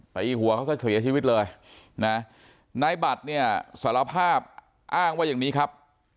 ตีหัวเขาซะเสียชีวิตเลยนะนายบัตรเนี่ยสารภาพอ้างว่าอย่างนี้ครับ